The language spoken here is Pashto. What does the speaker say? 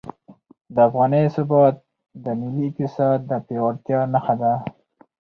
د افغانۍ ثبات د ملي اقتصاد د پیاوړتیا نښه ده.